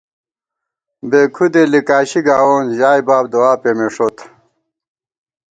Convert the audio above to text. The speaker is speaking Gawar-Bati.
بےکھُدے لِگاشی گاوون ، ژائےباب دُعا پېمېݭوت